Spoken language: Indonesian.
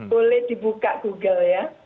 boleh dibuka google ya